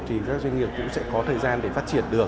thì các doanh nghiệp cũng sẽ có thời gian để phát triển được